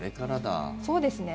そうですね。